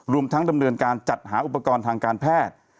รวมทั้งดำเนินการจัดหาอุปกรณ์ทางการแพทย์